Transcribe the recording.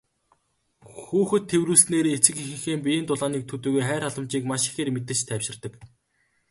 Хүүхэд тэврүүлснээр эцэг эхийнхээ биеийн дулааныг төдийгүй хайр халамжийг маш ихээр мэдэрч тайвширдаг.